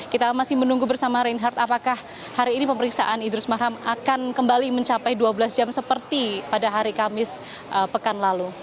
kita masih menunggu bersama reinhardt apakah hari ini pemeriksaan idrus marham akan kembali mencapai dua belas jam seperti pada hari kamis pekan lalu